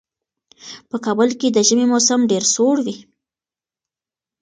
په کابل کې د ژمي موسم ډېر سوړ وي.